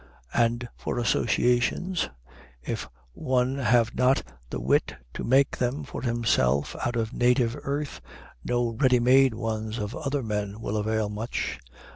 And for associations, if one have not the wit to make them for himself out of native earth, no ready made ones of other men will avail much.